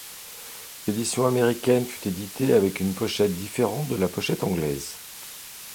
L'édition américaine fut éditée avec une pochette différente de la pochette anglaise.